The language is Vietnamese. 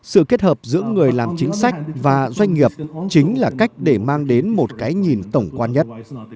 sự kết hợp giữa người làm chính sách và doanh nghiệp chính là cách để mang đến một cái nhìn tổng quan nhất